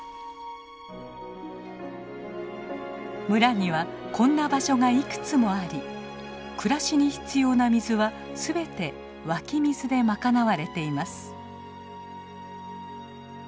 村にはこんな場所がいくつもあり暮らしに必要な水は全て湧き水で賄われています。